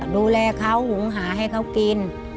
ดูแลเขาหุงหาให้เขากิน